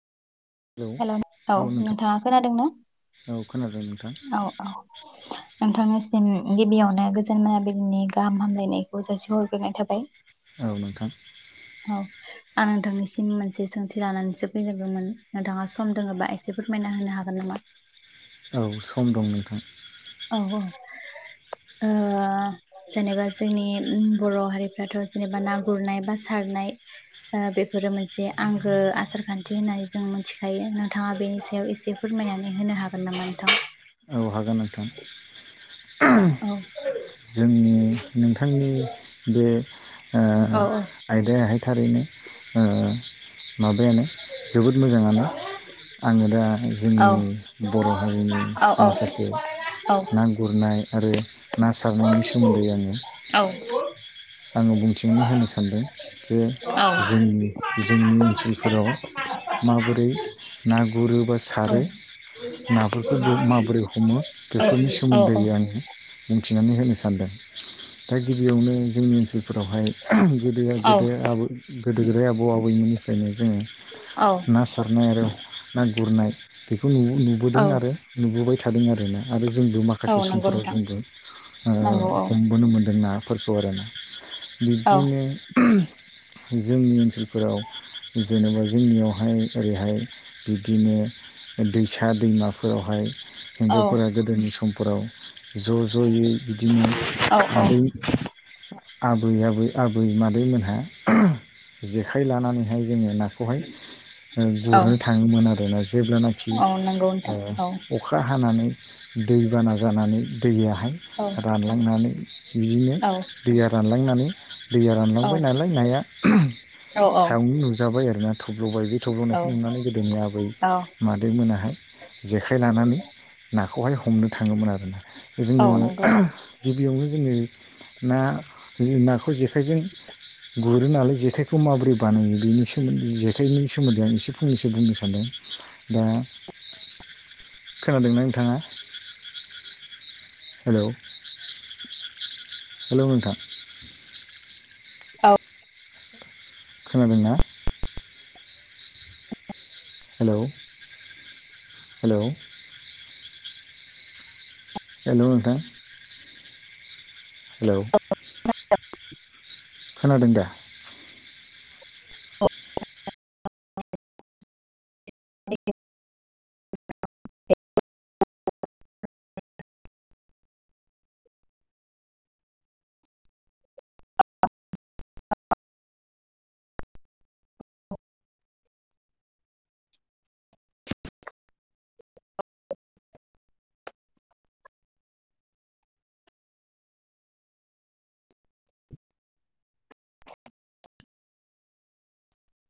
Hello hello औ औ नोंथां नोंथाङा खोनादों न औ खोनादों नोंथां औ औ एन्थाम जों गिबियावनो गोजोन मोनाबिलिनि गाहाम हामलायनायखौ जासिहरग्रोनाय थाबाय आरो नखां औ आं नोंथांनिसिम मोनसे सोंथि लानानैसो फैजेरगौमोन नोंथाङा सम दोङोबा एसे फोरमायना होनो हागोन नामा औ सम दं नोंथां औ औ ओ [inaudible] जेनेबा जोंनि बर' हारिफ्राथ' जेनेबा ना गुरनाय बा सारनाय बे बेफोरो मोनसे आंगो आसारखान्थि होननानै जों मिथिखायो नोंथाङा बेनि सायाव एसे फोरमायनानै होनो नो हागोन नामा नोंथां। औहा गोनांथां औ जोंनि नोंथांनि बे औ आयदायाहाय थारैनो म फफायानो जोबोद मोजाङानो औ आङो दा औ जोंनि बर' हारिनि औ माखासे ना गुरनाय आरो ना सारनायनि सोमोन्दै आङो आङो बुंथिनानै होनो सानदों जे जोंनि जोंनि ओनसोलफोराव माबोरै ना गुरो बा सारो नाफोरखौ माबोरै हमो बेफोरनि सोमोन्दै आङो फथिनानै होनो सानदों दा गिबियावनो जोंनि ओनसोलफोरावहाय गोदो गोद आ गोदो गोदाय आबौ आबैमोननिफ्रायनो जोङो औ ना सारनाय आरो ना गुरनाय बेखौ नुबोदों आरो नुबोबाय थादों आर ना आरो जोंबो औ माखासे नंगौ समफोराव नोंथां जोंबो नंगौ औ हमबोनो मोन्दों नाफोरखौ आरो ना। औ बिब्दिनो जोंनि ओनसोलफोराव जेनेबा जोंनियावहाय ओरैहाय बिब्दिनो दैसा दैमाफोरावहाय औ हिनजावफोरा गोदोनि समफोराव ज' ज'यै बिदिनो औ आदै आबै आबै आबै मादैमोनहा जेखाइ लानानैहाय जोङो ना खौहाय औ गुरनो थाङोमोन आरोना। जेब्लानाखि औ नंगौ नोंथां अखा हानानै दैबाना जानानै दैया हाय औ रानलांनानै बिदिनो औ दैया रानलांनानै दैया औ रानलांबाय नालाय नाया औ सायावुं नुजाबाय आरोना थब्ल'बाय बे थब्ल'नायखौ नुनानै गोदोनि आबै मादैमोनाहाय जेखाइ लानानै नाखौहाय हमनो थाङोमोन आरोना। औ जोङो नंगौ गिबियावनो जोङो ना नाखौ जेखाइजों गुरो नालाय जेखाइखौ माबोरै बानायो बेनि सोमोन्दै जेखाइनि सोमोन्दै आं एसे फंनैसो बुंनो सानदों दा खेलाादोंमोन नोंथाङा? हेल' हेल'मोनथा औ खोनादोंना? हेल' हेल'। हेल' आदा। हेलौ खोनादों दा? [inaudible] [unintelligible] [unintelligible] [unintelligible]